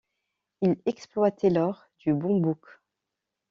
Il exploitait l'or du Bambouk.